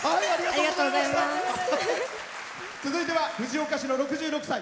続いては藤岡市の６６歳。